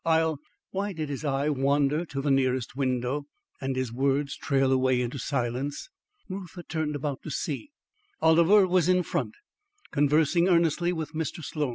I'll " Why did his eye wander to the nearest window, and his words trail away into silence? Reuther turned about to see. Oliver was in front, conversing earnestly with Mr. Sloan.